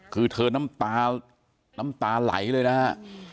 คือเธอน้ำตาไหลเลยนะฮะ